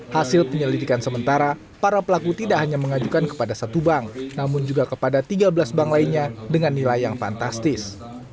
hasil penyelidikan sementara para pelaku tidak hanya mengajukan kepada satu bank namun juga kepada tiga belas bank lainnya dengan nilai yang fantastis